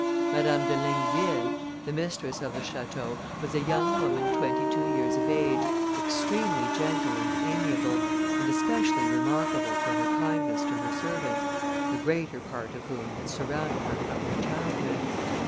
Madame de Ligneville, the mistress of the château, was a young woman twenty two years of age, extremely gentle and amiable, and especially remarkable for her kindness to her servants, the greater part of whom had surrounded her from her childhood.